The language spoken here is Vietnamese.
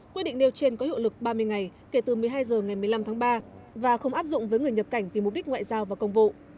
quyết định nêu trên có hiệu lực ba mươi ngày kể từ một mươi hai h ngày một mươi năm tháng ba và không áp dụng với người nhập cảnh vì mục đích ngoại giao và công vụ